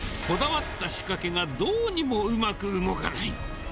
こだわった仕掛けが、どうにもうまく動かない。